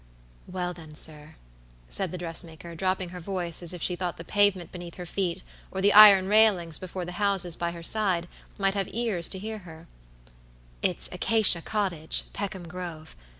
"Well, then sir," said the dressmaker, dropping her voice as if she thought the pavement beneath her feet, or the iron railings before the houses by her side, might have ears to hear her, "it's Acacia Cottage, Peckham Grove.